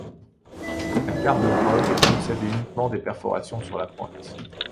La quart-de-brogue, possède uniquement des perforations sur la pointe.